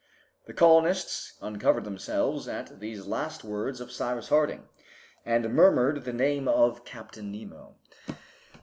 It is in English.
The colonists uncovered themselves at these last words of Cyrus Harding, and murmured the name of Captain Nemo.